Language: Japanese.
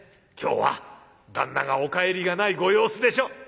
今日は旦那がお帰りがないご様子でしょ。